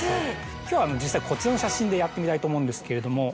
今日は実際こちらの写真でやってみたいと思うんですけれども。